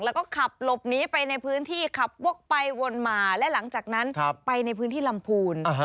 แล้วก็ขับหลบหนีไปในพื้นที่ขับวกไปวนมาและหลังจากนั้นไปในพื้นที่ลำพูน